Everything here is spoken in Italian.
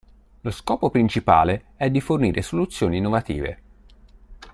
Lo scopo principale è di fornire soluzioni innovative.